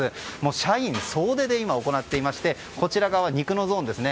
社員総出で今、行っていましてこちら側は肉のゾーンですね。